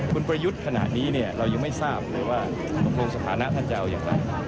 คุณประยุทธ์ขณะนี้เรายังไม่ทราบเลยว่าตกลงสถานะท่านจะเอาอย่างไร